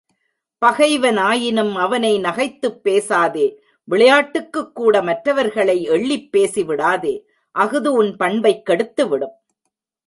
பகைவனாயினும் அவனை நகைத்துப் பேசாதே விளையாட்டுக்குக் கூட மற்றவர்களை எள்ளிப் பேசி விடாதே, அஃது உன் பண்பைக் கெடுத்துவிடும்.